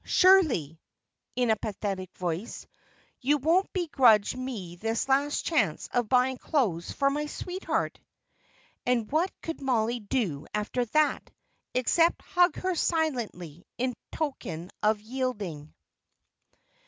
Surely" in a pathetic voice "you won't begrudge me this last chance of buying clothes for my sweetheart?" And what could Mollie do after that, except hug her silently, in token of yielding?